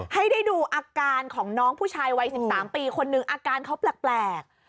ให้ได้ดูอาการของน้องผู้ชายวัย๑๓ปีคนนึงอาการเขาแปลก